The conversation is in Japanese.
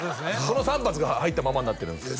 その３発が入ったまんまになってるんです